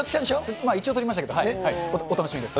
まあ、一応撮りましたけど、お楽しみです。